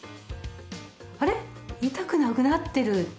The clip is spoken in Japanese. あれ、痛くなくなってる。